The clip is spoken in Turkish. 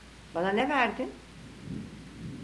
Bana ne verdin?